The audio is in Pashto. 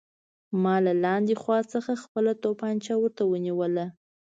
ما له لاندې خوا څخه خپله توپانچه ورته ونیوله